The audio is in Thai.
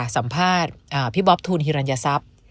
สัมภาษณ์พี่บ๊อบทูลฮิรัญทรัพย์